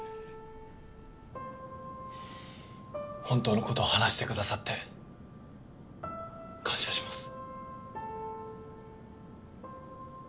本当のことを話してくださって感謝します。